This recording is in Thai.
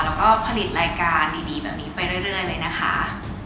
แล้วก็ผลิตรายการดีแบบนี้ไปเรื่อยเลยนะคะ